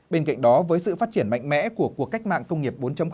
bên cạnh đó với sự phát triển mạnh mẽ của cuộc cách mạng công nghiệp bốn